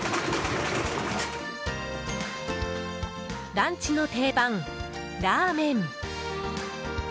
ランチの定番、ラーメン。